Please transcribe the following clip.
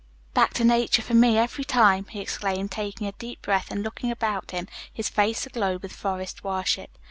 "Back to nature for me, every time," he exclaimed, taking a deep breath and looking about him, his face aglow with forest worship.